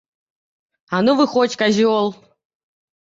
А ну выходзь, казёл!